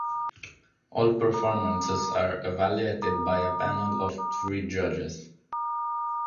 All performances are evaluated by a panel of three judges.